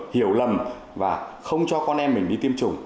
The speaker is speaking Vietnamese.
hiểu lầm và không cho con em mình đi tiêm chủng